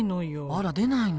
あら出ないの。